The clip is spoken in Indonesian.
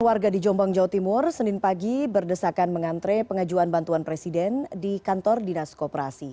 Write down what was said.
warga di jombang jawa timur senin pagi berdesakan mengantre pengajuan bantuan presiden di kantor dinas koperasi